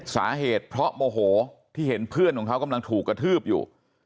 สาเหตุเพราะโมโหที่เห็นเพื่อนของเขากำลังถูกกระทืบอยู่